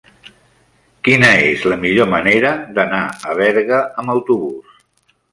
Quina és la millor manera d'anar a Berga amb autobús?